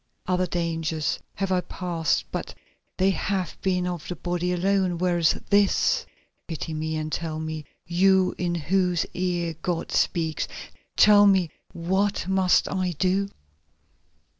Other dangers have I passed, but they have been of the body alone, whereas this——. Pity me and tell me, you in whose ear God speaks, tell me, what must I do?"